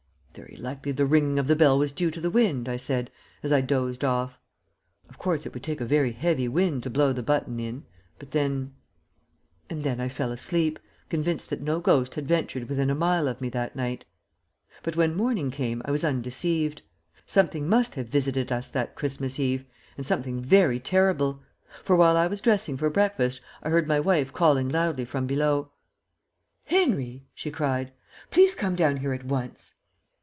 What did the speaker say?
"Very likely the ringing of the bell was due to the wind," I said, as I dozed off. "Of course it would take a very heavy wind to blow the button in, but then " and then I fell asleep, convinced that no ghost had ventured within a mile of me that night. But when morning came I was undeceived. Something must have visited us that Christmas Eve, and something very terrible; for while I was dressing for breakfast I heard my wife calling loudly from below. [Illustration: "IT HAD TURNED WHITE"] "Henry!" she cried. "Please come down here at once."